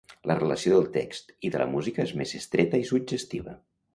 La relació del text i de la música és més estreta i suggestiva.